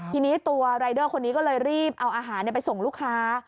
ทีนี้ตัวรายเดอร์คนนี้ก็เลยรีบเอาอาหารไปส่งลูกค้า